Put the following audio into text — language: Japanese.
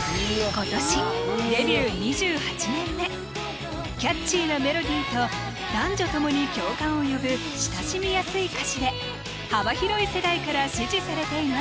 今年デビュー２８年目キャッチーなメロディーと男女共に共感を呼ぶ親しみやすい歌詞で幅広い世代から支持されています